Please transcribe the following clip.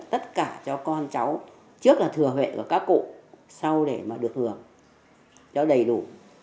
tất cả cho con cháu trước là thừa huệ của các cụ sau để mà được hưởng cho đầy đủ